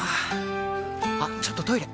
あっちょっとトイレ！